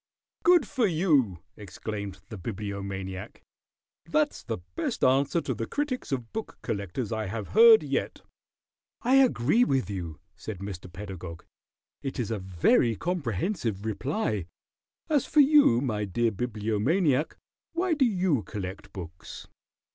"Good for you!" exclaimed the Bibliomaniac. "That's the best answer to the critics of book collectors I have heard yet." "I agree with you," said Mr. Pedagog. "It is a very comprehensive reply. As for you, my dear Bibliomaniac, why do you collect books?"